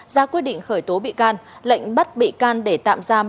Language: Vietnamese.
ra quyết định khởi tố bị can lệnh bắt bị can để tạm giam